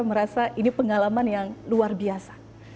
merasa ini pengalaman yang luar biasa